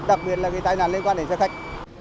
đặc biệt là tai nạn liên quan đến xe khách